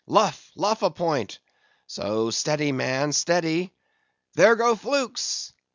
Luff, luff a point! So; steady, man, steady! There go flukes!